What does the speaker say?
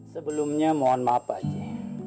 sebelumnya mohon maaf pak haji